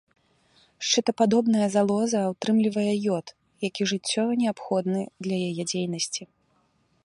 Шчытападобная залоза ўтрымлівае ёд, які жыццёва неабходны для яе дзейнасці.